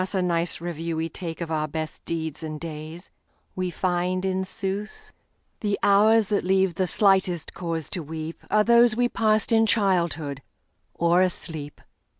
a nice review we takeOf our best deeds and days, we find, in sooth, The hours that leave the slightest cause to weepAre those we passed in childhood or asleep!